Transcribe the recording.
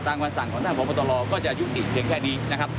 ตามหนักความสั่งของท่านผงโดรก็จะยุติถึงแค่นี้